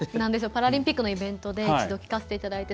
パラリンピックのイベントで一度、聴かせていただいて。